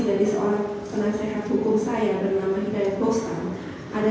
dan mohon agar saya dibebaskan